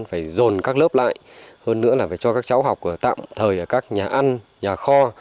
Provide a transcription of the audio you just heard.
phải dồn các lớp lại hơn nữa là phải cho các cháu học tạm thời ở các nhà ăn nhà kho